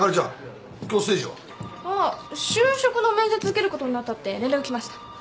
あっ就職の面接受けることになったって連絡来ました。